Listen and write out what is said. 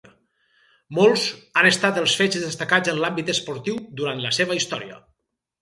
Molts han estat els fets destacats en l'àmbit esportiu durant la seva història.